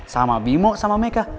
sama bimo sama mecah